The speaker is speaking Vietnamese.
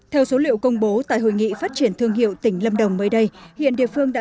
theo số liệu công bố tại hội nghị phát triển thương hiệu tỉnh lâm đồng mới đây hiện địa phương đã